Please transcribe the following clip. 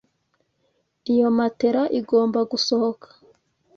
Iyo matelas igomba gusohoka.